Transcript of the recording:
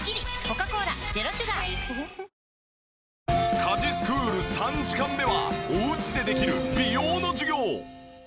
家事スクール３時間目はおうちでできる美容の授業。